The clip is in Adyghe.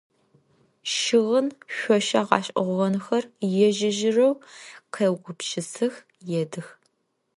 Щыгъын шъошэ гъэшӏэгъонхэр ежь-ежьырэу къеугупшысых, едых.